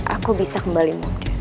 aku bisa kembali muda